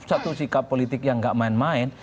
satu sikap politik yang gak main main